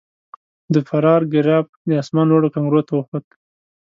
د فرار ګراف د اسمان لوړو کنګرو ته وخوت.